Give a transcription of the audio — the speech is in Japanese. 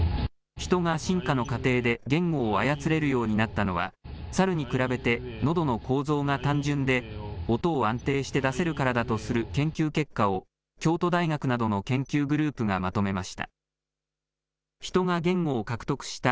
ヒトが進化の過程で言語を操れるようになったのは、サルに比べてのどの構造が単純で、音を安定して出せるからだとする研究結果を、京都大学などの研究グループがまとめました。